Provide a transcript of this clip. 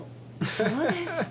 そうですか。